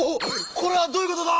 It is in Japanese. これはどういうことだ